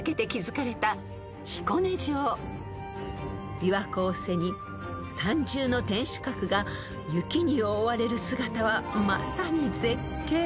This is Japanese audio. ［琵琶湖を背に３重の天守閣が雪に覆われる姿はまさに絶景］